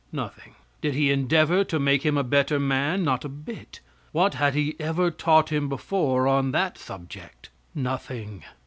Nothing. Did He endeavor to make him a better man? Not a bit. What had He ever taught him before on that subject? Nothing.